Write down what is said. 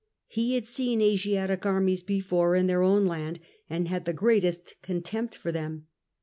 He had seen Asiatic armies before in their own land, and had the greatest contempt for them.